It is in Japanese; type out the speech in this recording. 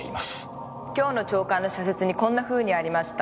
今日の朝刊の社説にこんなふうにありました。